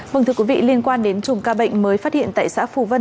vâng thưa quý vị liên quan đến trùm ca bệnh mới phát hiện tại xã phù vân